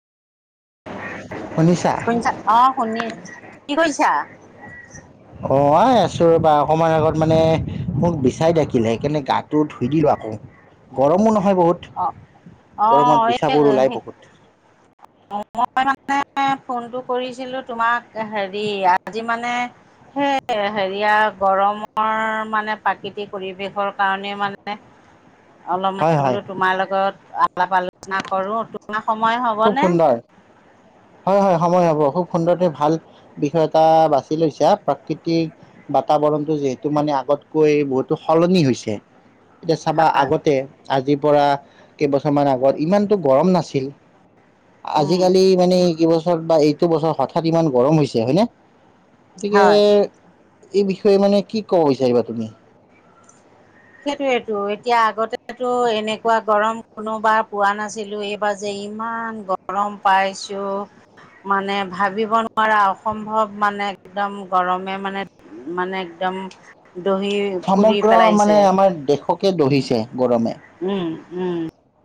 শুনিছা? শুনিছা? অ' শুনি-কি কৰিছা? অঁ এই আছো ৰ'বা, অকমান আগত মানে মোক বিছাই ডাকিলে, সেইকাৰণে গাটো ধুই দিলো আকৌ। গৰমো নহয় বহুত! অ গৰমত অঁ এই বিচাবোৰ ওলাই সেই, বহুত মই মানে ফোনটো কৰিছিলোঁ তোমাক হেৰি, আজি মানে সেই, হেৰিয়া গৰমৰ মানে প্ৰাকৃতিক পৰিৱেশৰ কাৰণে মানে অলপম হয় হয়। তোমাৰ লগত আলাপ-আলোচনা কৰোঁ, তোমাৰ সময় খুব হ'বনে? সুন্দৰ হয় হয়, সময় হ'ব, খুব সুন্দৰকৈ ভাল বিষয় এটা বাছি লৈছা, প্ৰাকৃতিক বাতাৱৰণটো যিহেতু মানে আগতকৈ বহুতো সলনি হৈছে এতিয়া চাবা, আগতে আজিৰ পৰা কেইবছৰ মান আগত ইমানটো গৰম নাছিল। উম আজিকালি মানে এই কেইবছৰত বা এইটো বছৰত হঠাৎ ইমান গৰম হৈছে হয় নে, গতিকে হয় এই বিষয়ে মানে কি ক'ব বিচাৰিবা তুমি? সেইটোৱেইতো, এতিয়া আগতেতো এনেকুৱা গৰম কোনোবাৰ পোৱা নাছিলোঁ, এই বাৰ যে ইমান গৰম পাইছোঁ! মানে ভাৱিব নোৱাৰা, অসম্ভৱ মানে একদম গৰমে মানে মানে একদম দহি পুৰি সমগ্ৰ মানে পেলাইছে। আমাৰ দেশক কে দহিছে গৰমে। উম, উম।